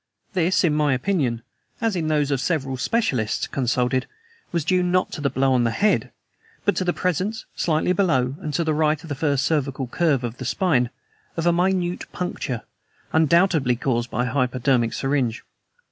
This, in my opinion, as in those of the several specialists consulted, was due, not to the blow on the head, but to the presence, slightly below and to the right of the first cervical curve of the spine, of a minute puncture undoubtedly caused by a hypodermic syringe.